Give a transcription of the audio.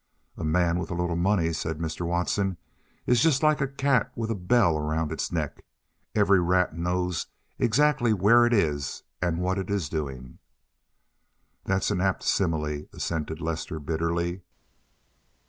"A man with a little money," said Mr. Watson, "is just like a cat with a bell around its neck. Every rat knows exactly where it is and what it is doing." "That's an apt simile," assented Lester, bitterly.